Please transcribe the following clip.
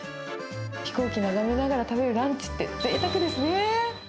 飛行機眺めながら食べるランチって、ぜいたくですね。